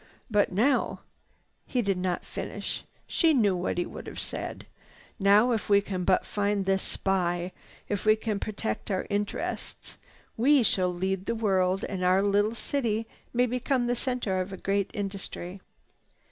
But now—" He did not finish. She knew what he would have said: "Now if we can but find this spy, if we can protect our interests, we shall lead the world and our little city may become the center of a great industry."